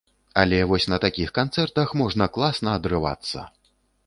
Але вось на такіх канцэртах можна класна адрывацца.